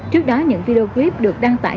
trước đó những video clip được đăng tải